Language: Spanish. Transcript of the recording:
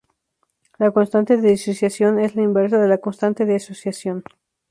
La constante de disociación es la inversa de la constante de asociación.